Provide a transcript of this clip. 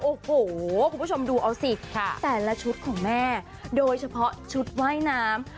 โอ้โหคุณผู้ชมดูเอาสิแต่ละชุดของแม่โดยเฉพาะชุดว่ายน้ำ